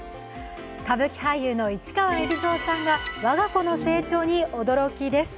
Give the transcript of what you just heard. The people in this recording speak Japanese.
歌舞伎俳優の市川海老蔵さんが我が子の成長に驚きです。